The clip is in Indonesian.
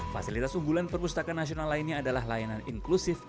fasilitas unggulan perpustakaan nasional lainnya adalah layanan inklusif